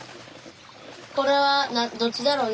これはどっちだろう？